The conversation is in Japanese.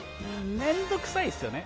面倒くさいですよね。